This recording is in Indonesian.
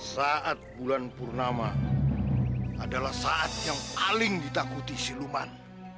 saat bulan purnama adalah saat yang paling ditakuti siluman